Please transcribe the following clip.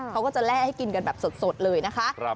เขาก็จะแร่ให้กินกันแบบสดเลยนะคะ